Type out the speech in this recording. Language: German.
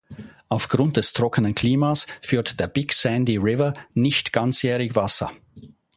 Aufgrund des trockenen Klimas führt der Big Sandy River nicht ganzjährig Wasser.